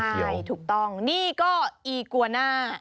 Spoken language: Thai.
ใช่ถูกต้องนี่ก็อีกวาน่า